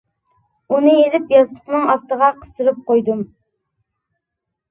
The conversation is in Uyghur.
ئۇنى ئېلىپ ياستۇقىنىڭ ئاستىغا قىستۇرۇپ قويدۇم.